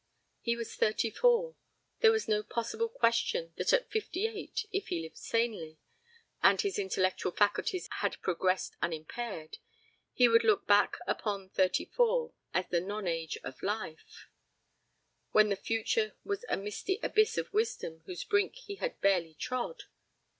He was thirty four. There was no possible question that at fifty eight, if he lived sanely, and his intellectual faculties had progressed unimpaired, he would look back upon thirty four as the nonage of life when the future was a misty abyss of wisdom whose brink he had barely trod.